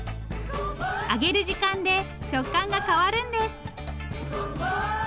揚げる時間で食感が変わるんです。